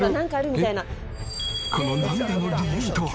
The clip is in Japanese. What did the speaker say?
この涙の理由とは？